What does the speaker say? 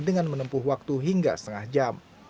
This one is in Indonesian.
dengan menempuh waktu hingga setengah jam